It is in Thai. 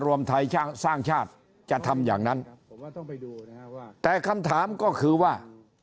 รวมไทยสร้างชาติจะทำอย่างนั้นแต่คำถามก็คือว่า